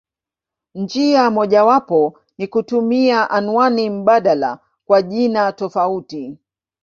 Njia mojawapo ni kutumia anwani mbadala kwa jina tofauti.